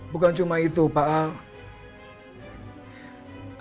bukan cuma itu pak